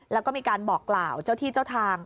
แล้วก็มีการบอกกล่าวเจ้าที่เจ้าทาง